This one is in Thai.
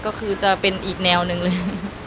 ก็คือจะเป็นอีกแนวหนึ่งเลย